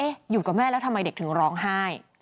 อยู่กับแม่แล้วทำไมเด็กถึงร้องไห้